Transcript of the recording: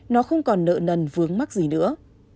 nó không còn nợ nần vướng mắt gì nữa